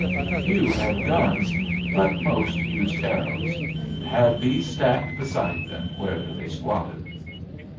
A few had guns, but most used arrows, and had these stacked beside them where they squatted.